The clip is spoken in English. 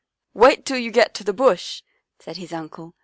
" Wait till you get to the Bush," said his uncle.